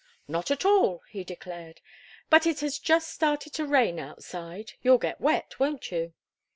"Not at all," he declared. "But it has just started to rain, outside; you'll get wet, won't you?"